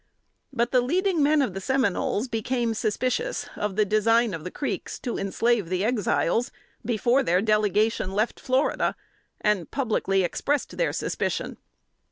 But the leading men of the Seminoles became suspicious of the design of the Creeks to enslave the Exiles, before their delegation left Florida, and publicly expressed their suspicion.